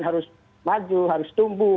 harus maju harus tumbuh